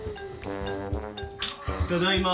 ただいま。